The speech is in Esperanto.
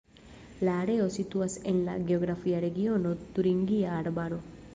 La areo situas en la geografia regiono Turingia Arbaro.